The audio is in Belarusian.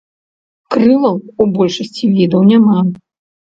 Крылаў у большасці відаў няма.